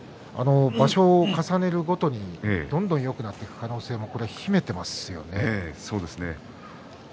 場所を重ねるごとにどんどんよくなっていく可能性も秘めていますね。